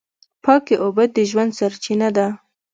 پاکې اوبه د ژوند سرچینه ده.